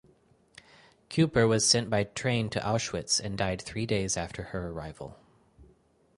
Kuyper was sent by train to Auschwitz and died three days after her arrival.